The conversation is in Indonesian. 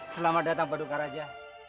selamat datang paduka raja